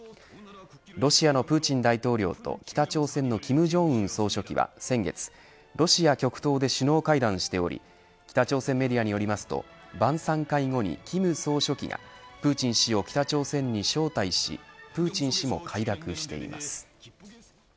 ロシアのプーチン大統領と北朝鮮の金正恩総書記は先月ロシア極東で首脳会談しており北朝鮮メディアによりますと晩さん会後に金総書記がプーチン氏を北朝鮮に招待しプーチン氏も快諾しています。